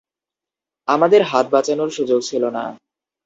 আমাদের হাতে বাঁচানোর সুযোগ ছিল না।